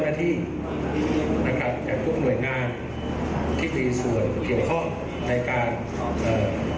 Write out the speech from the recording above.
หน้าที่นะครับจากทุกหน่วยงานที่มีส่วนเกี่ยวข้องในการเอ่อ